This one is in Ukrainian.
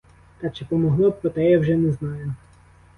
Та чи помогло, про те я вже не знаю.